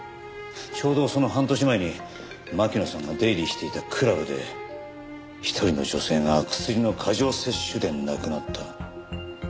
ちょうどその半年前に巻乃さんが出入りしていたクラブで一人の女性がクスリの過剰摂取で亡くなった。